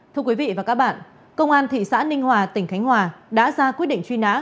thưa quý vị và các bạn công an thị xã ninh hòa tỉnh khánh hòa đã ra quyết định truy nã